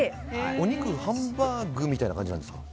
お肉、ハンバーグみたいな感じなんですか？